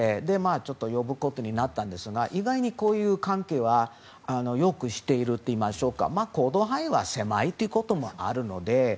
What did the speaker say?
ちょっと呼ぶことになったんですが意外にこういう関係はよくしているといいましょうか行動範囲が狭いということもあるので。